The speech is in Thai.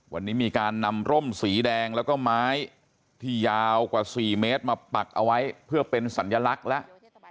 วันนี้มีการนำร่มสีแดงแล้วก็ไม้ที่ยาวกว่า๔เมตรมาปักเอาไว้เพื่อเป็นสัญลักษณ์แล้ว